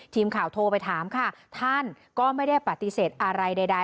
ทีมข่าวโทรไปถามค่ะท่านก็ไม่ได้ปฏิเสธอะไรใด